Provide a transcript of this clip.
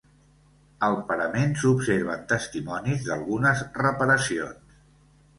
Al parament s'observen testimonis d'algunes reparacions.